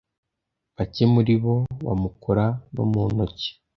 bake muri bo bamukora no mu ntoki